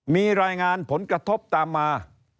มีรายงานผลกระทบตามมา